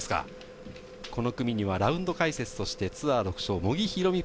この組にはラウンド解説としてツアー６勝、茂木宏美